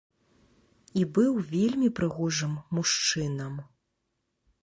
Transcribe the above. І быў вельмі прыгожым мужчынам.